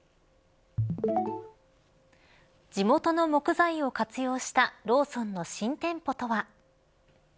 地元の木材を活用したローソンの新店舗とは。